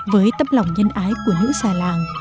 với tâm lòng nhân ái của nữ già làng